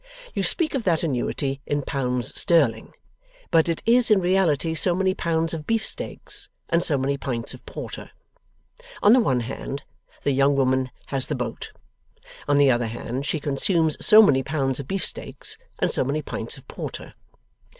You speak of that annuity in pounds sterling, but it is in reality so many pounds of beefsteaks and so many pints of porter. On the one hand, the young woman has the boat. On the other hand, she consumes so many pounds of beefsteaks and so many pints of porter.